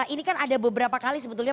ini kan ada beberapa kali sebetulnya